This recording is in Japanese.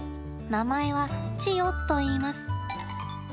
名前はチヨといいます。